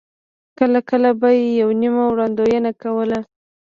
کله کله به یې یوه نیمه وړاندوینه کوله.